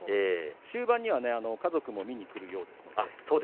終盤には家族も見に来るようです。